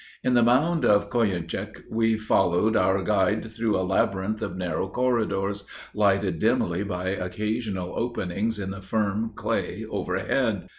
In the mound of Koyunjik, we followed our guide through a labyrinth of narrow corridors, lighted dimly by occasional openings in the firm clay overhead.